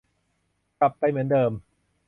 กลับไปเหมือนเดิม